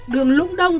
đường lũng đông